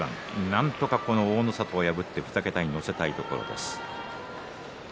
なんとかこの大の里を破って２桁に乗せたいところです。